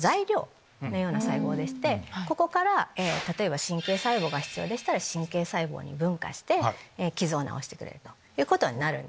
ここから例えば神経細胞が必要でしたら神経細胞に分化して傷を治してくれるということになる。